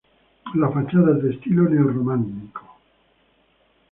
La fachada es de estilo neorrománico.